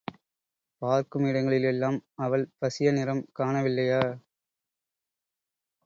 பார்க்கும் இடங்களில் எல்லாம் அவள் பசிய நிறம் காண வில்லையா?